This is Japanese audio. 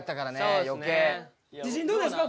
自信どうですか？